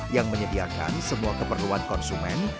yang menyediakan semua keperluan konsumen